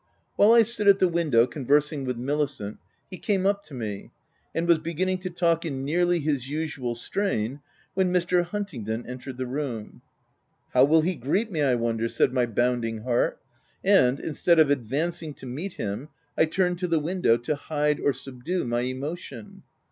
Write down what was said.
While I stood at the window, conversing with Milicent, he came up to me, and was beginning to talk in nearly his usual strain, when Mr. Hunt ingdon entered the room. "How will he greet me, I wonder?" said my bounding heart ; and instead of advancing to meet him, I turned to the window to hide or subdue my emotion.